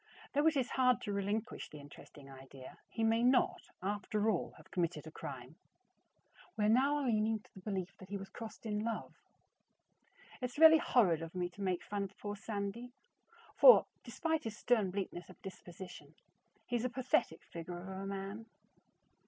Though it is hard to relinquish the interesting idea, he may not, after all, have committed a crime. We are now leaning to the belief that he was crossed in love. It's really horrid of me to make fun of poor Sandy, for, despite his stern bleakness of disposition, he's a pathetic figure of a man.